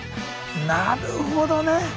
なるほどね！